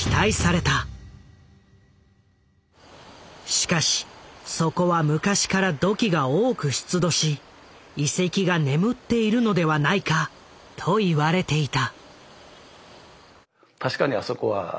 しかしそこは昔から土器が多く出土し遺跡が眠っているのではないかといわれていた。